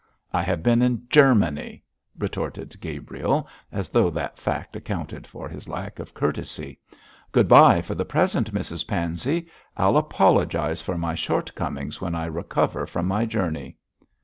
'I have been in Germany,' retorted Gabriel, as though that fact accounted for his lack of courtesy. 'Good bye for the present, Mrs Pansey; I'll apologise for my shortcomings when I recover from my journey.'